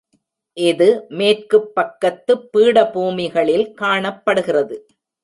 இது மேற்குப் பக்கத்துப் பீடபூமிகளில் காணப்படுகிறது.